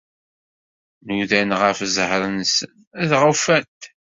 Nudan ɣef zzheṛ-nsen, dɣa ufan-t